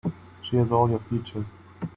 She has all your features.